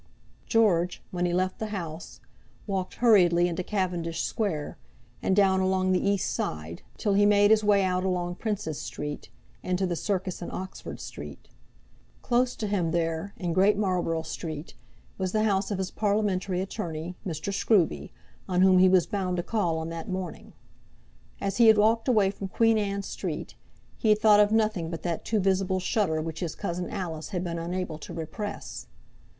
George, when he left the house, walked hurriedly into Cavendish Square, and down along the east side, till he made his way out along Princes Street, into the Circus in Oxford Street. Close to him there, in Great Marlborough Street, was the house of his parliamentary attorney, Mr. Scruby, on whom he was bound to call on that morning. As he had walked away from Queen Anne Street, he had thought of nothing but that too visible shudder which his cousin Alice had been unable to repress.